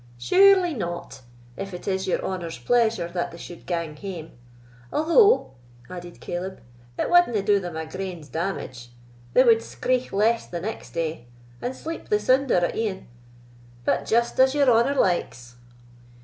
"Surely not, if it is your honour's pleasure that they suld gang hame; although," added Caleb, "it wanda do them a grain's damage: they wad screigh less the next day, and sleep the sounder at e'en. But just as your honour likes."